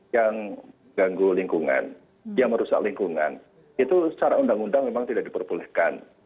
yang ganggu lingkungan yang merusak lingkungan itu secara undang undang memang tidak diperbolehkan